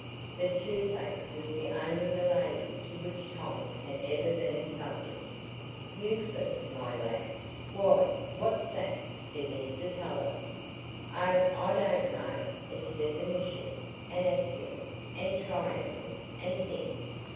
(The toothache was the only malady to which Tom had ever been subject.) "Euclid, my lad,—why, what's that?" said Mr Tulliver. "Oh, I don't know; it's definitions, and axioms, and triangles, and things.